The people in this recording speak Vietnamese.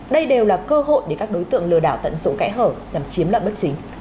đây đều là cơ hội để các đối tượng lừa đảo tận dụng kẽ hở nhằm chiếm lợi bất chính